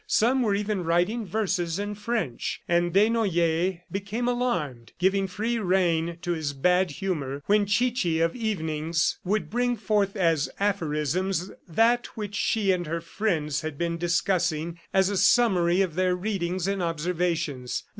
Some were even writing verses in French. And Desnoyers became alarmed, giving free rein to his bad humor, when Chichi of evenings, would bring forth as aphorisms that which she and her friends had been discussing, as a summary of their readings and observations.